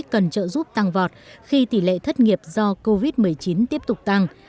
cần trợ giúp tăng vọt khi tỷ lệ thất nghiệp do covid một mươi chín tiếp tục tăng